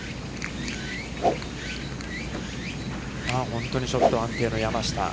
本当にショット安定の山下。